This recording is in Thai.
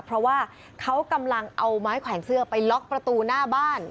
เพราะว่าเขากำลังเอาไม้แขวนเสื้อไปล็อกประตูหน้าบ้าน